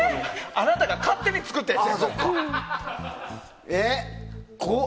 あなたが勝手に作ったやつやから！